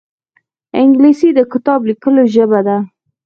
انګلیسي د کتاب لیکلو ژبه ده